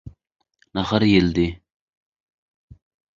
Nahar iýildi.